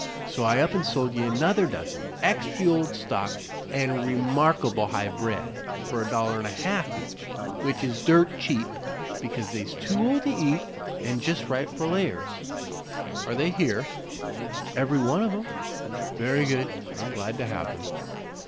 So I up an' sold ye another dozen, extry ol' stock an' remarkable high bred, fer a dollar an' a half each. Which is dirt cheap because they's too old to eat an' jest right fer layers." "Are they here?" "Every one of 'em." "Very good. I'm glad to have them.